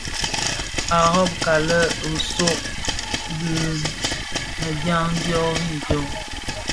A robka lë risoo di mëdyëm dyô rì dyô.